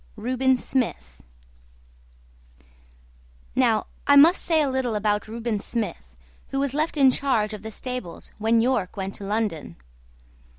25 Reuben Smith Now I must say a little about Reuben Smith, who was left in charge of the stables when York went to London.